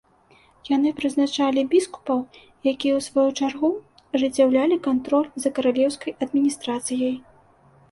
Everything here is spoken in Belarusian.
Яны прызначалі біскупаў, якія, у сваю чаргу, ажыццяўлялі кантроль за каралеўскай адміністрацыяй.